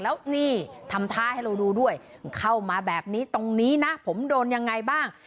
แล้วนี่ทำท่าให้เราดูด้วยเข้ามาแบบนี้ตรงนี้นะผมโดนยังไงบ้าง